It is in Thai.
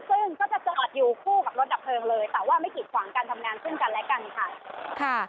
ซึ่งก็จะจอดอยู่คู่กับรถดับเพลิงเลยแต่ว่าไม่กิดขวางการทำงานซึ่งกันและกันค่ะ